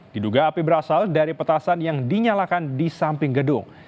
diduga api berasal dari petasan yang dinyalakan di samping gedung